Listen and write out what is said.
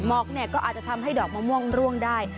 อกเนี่ยก็อาจจะทำให้ดอกมะม่วงร่วงได้